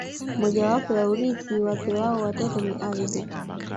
Mojawapo ya urithi wapewao watoto ni ardhi